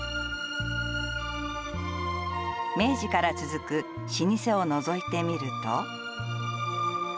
明治から続く老舗をのぞいてみると。